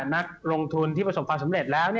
นักลงทุนที่ประสบความสำเร็จแล้ว